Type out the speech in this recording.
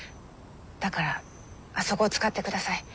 だからあそこを使ってください。